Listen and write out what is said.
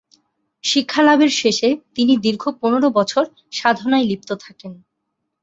শিক্ষালাভের শেষে তিনি দীর্ঘ পনেরো বছর সাধনায় লিপ্ত থাকেন।